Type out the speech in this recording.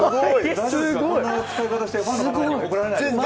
こんな使い方して、ファンの方に怒られないですか？